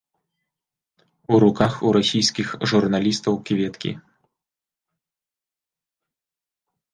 У руках у расійскіх журналістаў кветкі.